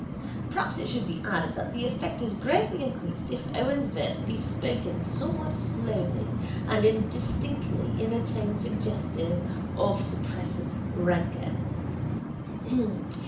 Perhaps it should be added that the effect is greatly increased if Owen's verse be spoken somewhat slowly and indistinctly in a tone suggestive of suppressed rancour.